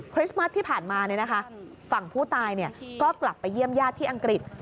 มัสที่ผ่านมาฝั่งผู้ตายก็กลับไปเยี่ยมญาติที่อังกฤษ